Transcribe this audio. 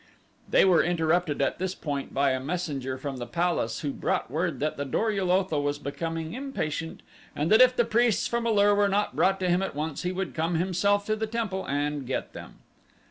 They were interrupted at this point by a messenger from the palace who brought word that the Dor ul Otho was becoming impatient and if the priests from A lur were not brought to him at once he would come himself to the temple and get them.